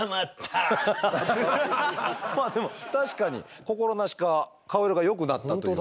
まあでも確かに心なしか顔色がよくなったというか。